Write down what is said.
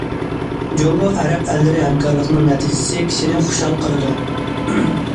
جۇڭگو ئەرەب ئەللىرى ھەمكارلىقىنىڭ نەتىجىسى كىشىنى خۇشال قىلىدۇ.